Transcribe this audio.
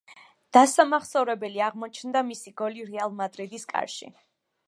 დასამახსოვრებელი აღმოჩნდა მისი გოლი „რეალ მადრიდის“ კარში.